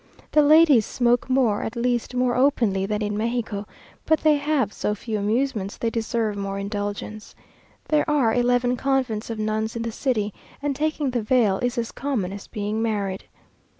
The ladies smoke more, or at least more openly, than in Mexico; but they have so few amusements, they deserve more indulgence. There are eleven convents of nuns in the city, and taking the veil is as common as being married.